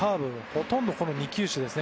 ほとんどこの２球種ですね。